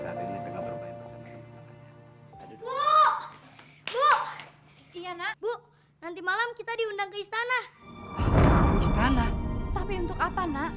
atau kau tidak saya bunuh